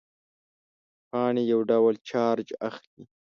پاڼې یو ډول چارج اخلي.